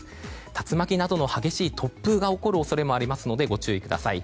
竜巻などの激しい突風が起こる可能性がありますのでご注意ください。